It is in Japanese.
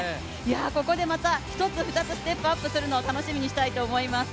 ここでまた１つ２つステップアップするのを楽しみにしたいと思います。